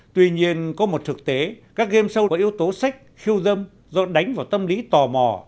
tuy nhiên có một thực tế các game show có yếu tố sách khiêu dâm dọn đánh vào tâm lý tò mò